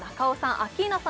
アッキーナさん